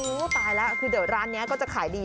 ตายแล้วคือเดี๋ยวร้านนี้ก็จะขายดี